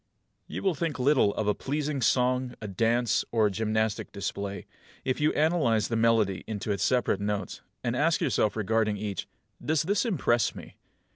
2. You will think little of a pleasing song, a dance, or a gymnastic display, if you analyse the melody into its separate notes, and ask yourself regarding each, "Does this impress me?"